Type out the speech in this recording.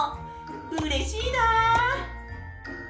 うれしいな。